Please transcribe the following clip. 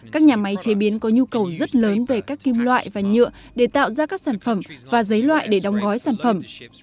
các nhà máy chế biến có nhu cầu rất lớn về các kim loại và nhựa để tạo ra các sản phẩm và giấy loại để đóng gói sản phẩm